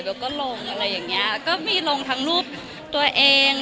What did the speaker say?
แล้วก็ลงอะไรอย่างเงี้ยก็มีลงทั้งรูปตัวเอง